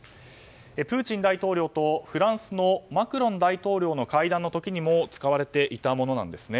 プーチン大統領とフランスのマクロン大統領の会談の時にも使われていたものなんです。